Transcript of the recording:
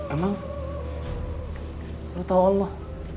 emang lu tau allah